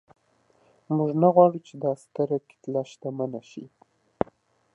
موږ نه غواړو چې دا ستره کتله شتمنه شي.